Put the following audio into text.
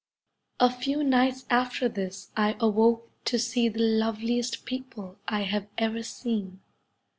A few nights after this I awoke to see the loveliest people I have ever seen.